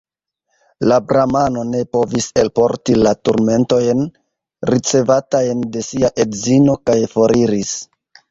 La bramano ne povis elporti la turmentojn, ricevatajn de sia edzino, kaj foriris.